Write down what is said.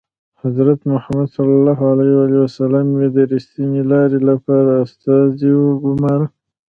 حضرت محمد یې د ریښتینې لارې لپاره استازی وګوماره.